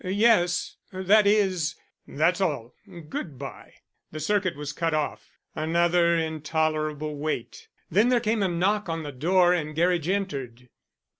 "Yes; that is " "That's all, good by." The circuit was cut off. Another intolerable wait. Then there came a knock on the door and Gerridge entered.